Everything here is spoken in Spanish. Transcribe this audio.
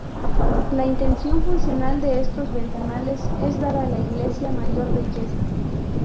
La intención funcional de estos ventanales es dar a la Iglesia mayor belleza.